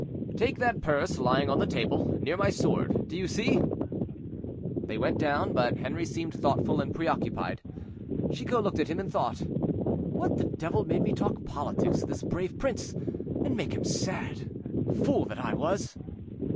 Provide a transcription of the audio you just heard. "Take that purse lying on the table, near my sword—do you see?" They went down, but Henri seemed thoughtful and preoccupied. Chicot looked at him, and thought, "What the devil made me talk politics to this brave prince, and make him sad? Fool that I was!"